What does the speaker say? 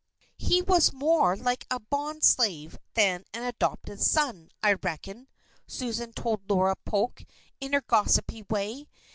"He was more like a bond slave than an adopted son, I reckon," Susan told Laura Polk, in her gossipy way.